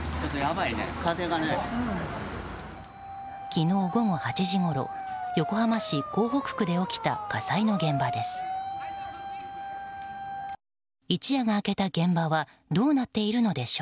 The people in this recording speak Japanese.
昨日午後８時ごろ横浜市港北区で起きた火災の現場です。